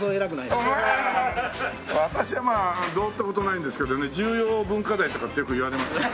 私はまあどうって事ないんですけどね重要文化財とかってよく言われますよ。